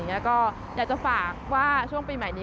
อยากจะฝากว่าช่วงปีใหม่นี้